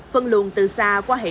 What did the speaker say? phân luồng từ xa qua hệ thống